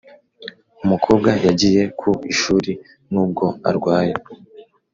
umukobwa yagiye ku ishuri nubwo arwaye.